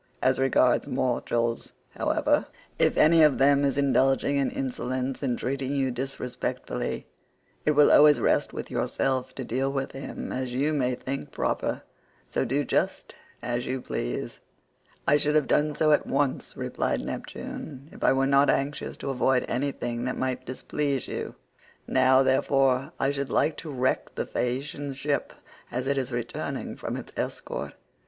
As regards mortals, however, if any of them is indulging in insolence and treating you disrespectfully, it will always rest with yourself to deal with him as you may think proper, so do just as you please." "I should have done so at once," replied Neptune, "if I were not anxious to avoid anything that might displease you; now, therefore, I should like to wreck the Phaeacian ship as it is returning from its escort.